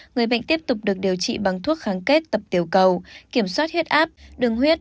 người bệnh tiếp tục được điều trị bằng thuốc kháng kết tập tiểu cầu kiểm soát huyết áp đường huyết